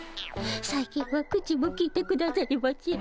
最近は口もきいてくださりません。